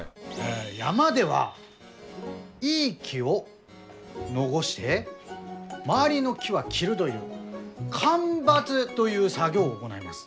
山ではいい木を残して周りの木は切るどいう間伐どいう作業を行います。